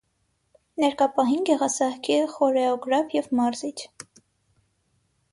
Ներկա պահին՝ գեղասահքի խորեոգրաֆ և մարզիչ։